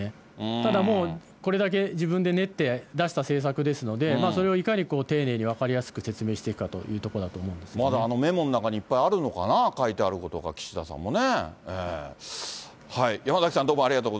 ただもうこれだけ自分で練って出した政策ですので、それをいかに丁寧に分かりやすく説明していくかというとこだと思まだメモの中にいっぱいあるのかな、書いてあることが岸田さんもね。